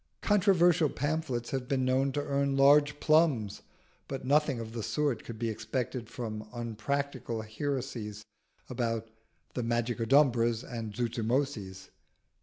Controversial pamphlets have been known to earn large plums; but nothing of the sort could be expected from unpractical heresies about the Magicodumbras and Zuzumotzis.